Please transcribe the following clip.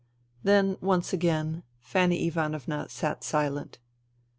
Then, once again, Fanny Ivanovna sat silent.